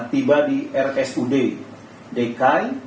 tiba di rk sud dekai